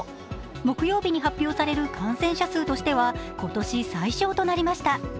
木曜日に発表される感染者数としては今年最小となりました。